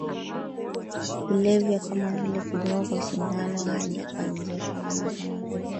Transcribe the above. kulevya kama vile kudunga kwa sindano hadi kwa njia salama kama vile